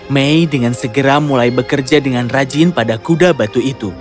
mei dengan segera mulai bekerja dengan rajin pada kuda batu itu